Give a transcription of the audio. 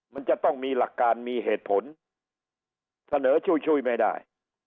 มันจะต้องมีหลักการมีเหตุผลเสนอช่วยไม่ได้